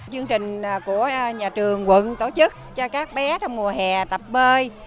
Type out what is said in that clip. chương trình của nhà trường quận tổ chức cho các bé trong mùa hè tập bơi